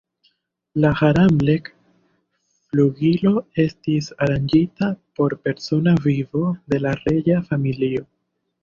La "Haramlek"-flugilo estis aranĝita por persona vivo de la reĝa familio.